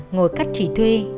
ngồi cắt trí thuê